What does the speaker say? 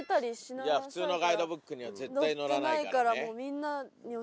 ・いやあ普通のガイドブックには絶対載らないからね。